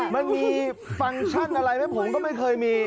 มันมีฟังก์ชั่นอะไรไหมผมก็ไม่เคยมี